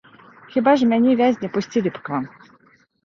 Хіба ж мяне, вязня, пусцілі б к вам?